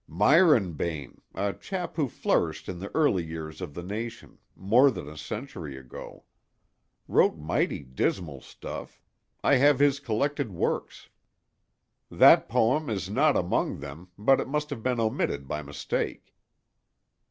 "Myron Bayne, a chap who flourished in the early years of the nation—more than a century ago. Wrote mighty dismal stuff; I have his collected works. That poem is not among them, but it must have been omitted by mistake."